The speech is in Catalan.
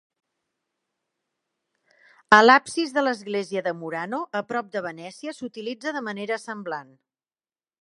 A l'absis de l'església de Murano, a prop de Venècia, s'utilitza de manera semblant.